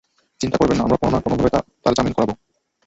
চিন্তা করবেন না, আমরা কোনো না কোনোভাবে তার জামিন করাব।